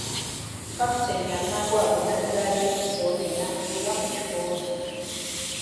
Kapitaani amangu ago n'azzaayo ekiso kye n'atuula mu kifo kye.